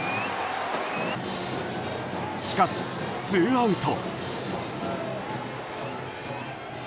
しかし、ツーアウト。